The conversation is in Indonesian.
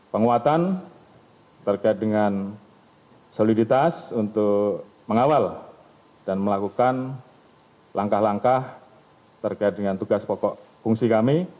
penguatan terkait dengan soliditas untuk mengawal dan melakukan langkah langkah terkait dengan tugas pokok fungsi kami